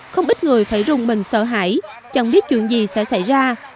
không ít người phải rung mình sợ hãi chẳng biết chuyện gì sẽ xảy ra